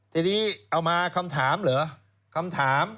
ทีนี้เอามาคำถามเหรอคำถาม